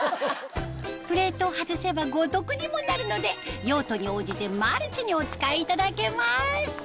プレートを外せば五徳にもなるので用途に応じてマルチにお使いいただけます